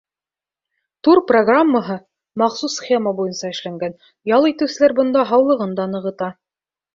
Тур программаһы махсус схема буйынса эшләнгән, ял итеүселәр бында һаулығын да нығыта.